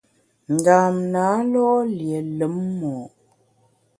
Ndam na lo’ lié lùm mo’.